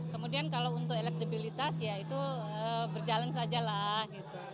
kemudian kalau untuk elektabilitas ya itu berjalan sajalah gitu